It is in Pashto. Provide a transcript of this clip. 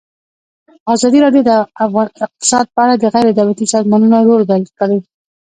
ازادي راډیو د اقتصاد په اړه د غیر دولتي سازمانونو رول بیان کړی.